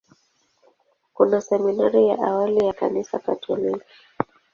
Kuna seminari ya awali ya Kanisa Katoliki.